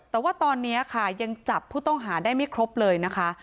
แต่ว่าตอนนี้ค่ะยังจับผู้ต้องหาได้ไม่ครบเลยนะคะ